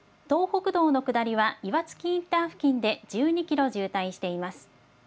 東北道の下りは、いわつきインター付近で１２キロ渋滞しています。